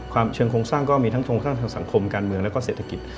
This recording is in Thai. ความเชิงโครงสร้างก็มีทั้งสังคมการเมืองและก็เศรษฐกิจ